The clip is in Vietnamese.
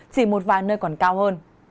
chỉ một vài nơi còn cao hơn